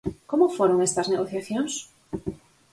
Como foron estas negociacións?